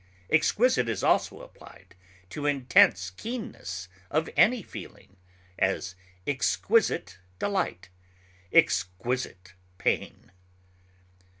Exquisite is also applied to intense keenness of any feeling; as, exquisite delight; exquisite pain.